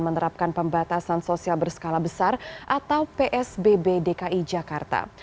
menerapkan pembatasan sosial berskala besar atau psbb dki jakarta